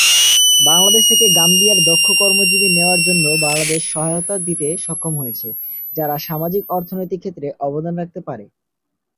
বাংলাদেশ থেকে গাম্বিয়ায় দক্ষ কর্মজীবী নেওয়ার জন্যেও বাংলাদেশ সহযোগিতা দিতে সম্মত হয়েছে, যারা সামাজিক-অর্থনৈতিক ক্ষেত্রে অবদান রাখতে পারে।